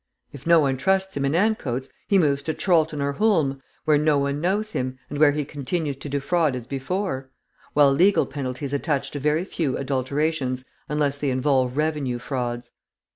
If no one trusts him in Ancoats, he moves to Chorlton or Hulme, where no one knows him, and where he continues to defraud as before; while legal penalties attach to very few adulterations unless they involve revenue frauds.